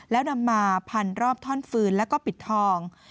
แล้วนำมาพันรอบท่อนฟืนแล้วก็ปิดทอง